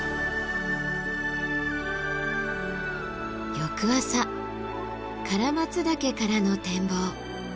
翌朝唐松岳からの展望。